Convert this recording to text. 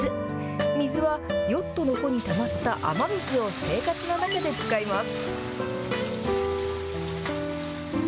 水はヨットの帆にたまった雨水を生活の中で使います。